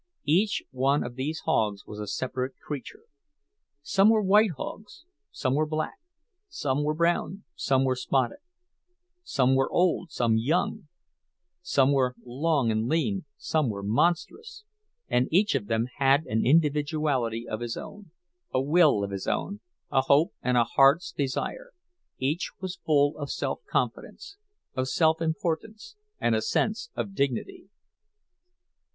Each one of these hogs was a separate creature. Some were white hogs, some were black; some were brown, some were spotted; some were old, some young; some were long and lean, some were monstrous. And each of them had an individuality of his own, a will of his own, a hope and a heart's desire; each was full of self confidence, of self importance, and a sense of dignity.